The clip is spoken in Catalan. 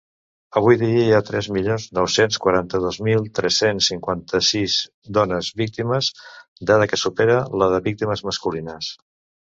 Avui dia hi ha tres milions nou-cents quaranta-dos mil tres-cents cinquanta-sis dones víctimes, dada que supera la de víctimes masculines.